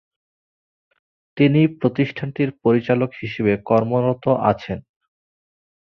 তিনি প্রতিষ্ঠানটির পরিচালক হিসেবে কর্মরত আছেন।